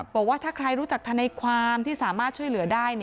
บอกว่าถ้าใครรู้จักทนายความที่สามารถช่วยเหลือได้